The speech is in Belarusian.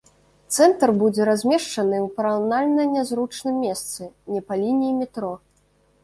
Цэнтр будзе размешчаны ў параўнальна нязручным месцы, не па лініі метро.